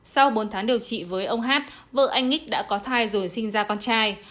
sau bốn tháng điều trị với ông h vợ anh x đã có thai rồi sinh ra con trai